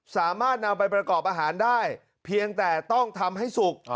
สามารถนำไปประกอบอาหารได้เพียงแต่ต้องทำให้สุก